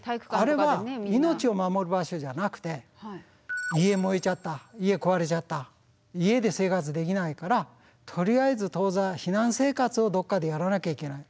あれは命を守る場所じゃなくて家燃えちゃった家壊れちゃった家で生活できないからとりあえず当座避難生活をどっかでやらなきゃいけない。